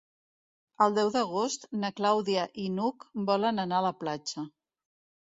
El deu d'agost na Clàudia i n'Hug volen anar a la platja.